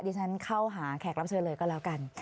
ฉันเข้าหาแขกรับเชิญเลยก็แล้วกัน